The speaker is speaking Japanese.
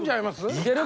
いける？